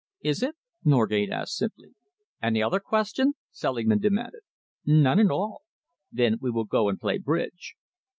"Is it?" Norgate asked simply. "Any other question?" Selingman demanded. "None at all." "Then we will go and play bridge."